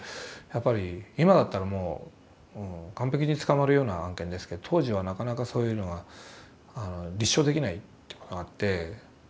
やっぱり今だったらもう完璧に捕まるような案件ですけど当時はなかなかそういうのが立証できないというのがあって。